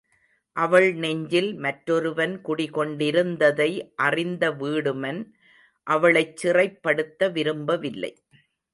அவள் நெஞ்சில் மற்றொருவன் குடி கொண்டிருந் ததை அறிந்த வீடுமன் அவளைச் சிறைபடுத்த விரும்ப வில்லை.